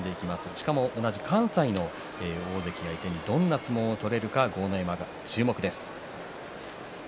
しかも同じ関西の大関を相手にどんな相撲が取れるか豪ノ山、注目です。